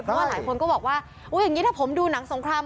เพราะว่าหลายคนก็บอกว่าอย่างนี้ถ้าผมดูหนังสงคราม